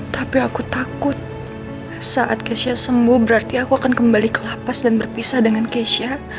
tapi aku takut saat kesia sembuh berarti aku akan kembali ke lapas dan berpisah dengan keisha